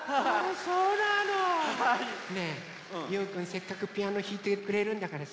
せっかくピアノひいてくれるんだからさ。